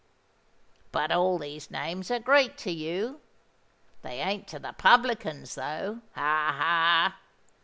But all these names are Greek to you. They ain't to the publicans, though—ha! ha!